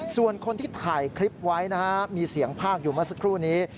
ส่วนคนที่ถ่ายคลิปไว้นะฮะมีเสียงภาคอยู่เมื่อสักครู่นี้